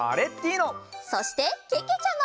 そしてけけちゃま！